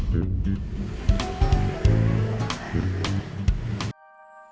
jadi diajak ngomong